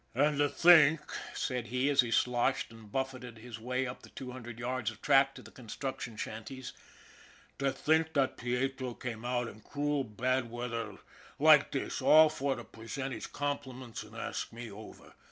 " An' to think," said he, as he sloshed and buffeted his way up the two hundred yards of track to the construction shanties, " to think that Pietro came out in cruel bad weather like this all for to present his compliments an' ask me over